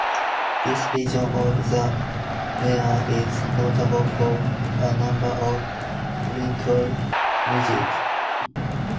This region of the mare is notable for a number of wrinkle ridges.